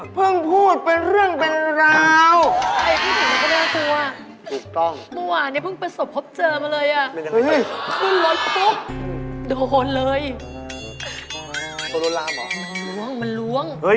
พิการพูดเป็นเรื่องเป็นราว